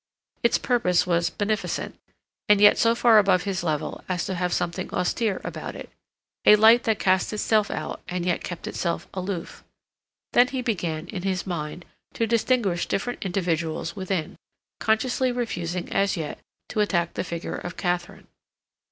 Its purpose was beneficent; and yet so far above his level as to have something austere about it, a light that cast itself out and yet kept itself aloof. Then he began, in his mind, to distinguish different individuals within, consciously refusing as yet to attack the figure of Katharine.